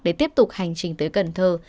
để tiếp tục hành trình tới cần thơ